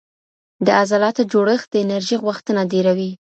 د عضلاتو جوړښت د انرژي غوښتنه ډېروي.